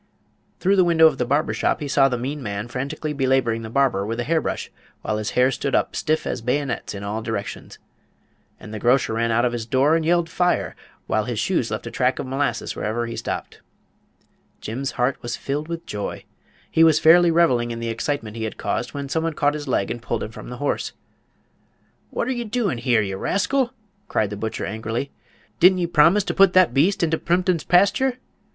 Through the window of the barber shop he saw the "mean man" frantically belaboring the barber with a hair brush, while his hair stood up stiff as bayonets in all directions. And the grocer ran out of his door and yelled "Fire!" while his shoes left a track of molasses wherever he stepped. Jim's heart was filled with joy. He was fairly reveling in the excitement he had caused when some one caught his leg and pulled him from the horse. "What're ye doin' hear, ye rascal?" cried the butcher, angrily; "didn't ye promise to put that beast inter Plympton's pasture?